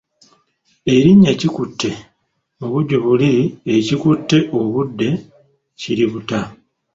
Erinnya Kikutte mubujjuvu liri Ekikutte obudde kiributa.